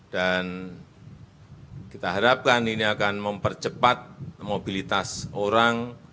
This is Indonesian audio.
dan kita harapkan ini akan mempercepat mobilitas orang